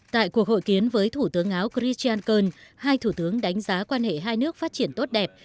tại cuộc hội kiến với thủ tướng áo christch yankern hai thủ tướng đánh giá quan hệ hai nước phát triển tốt đẹp